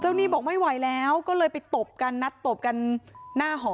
หนี้บอกไม่ไหวแล้วก็เลยไปตบกันนัดตบกันหน้าหอ